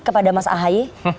kepada mas ahaya